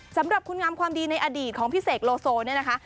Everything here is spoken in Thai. สำหรับคุณงามความดีในอดีตของพี่เสกโลโซเนี่ยนะคะ